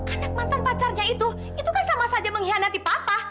anak mantan pacarnya itu itu kan sama saja mengkhianati papa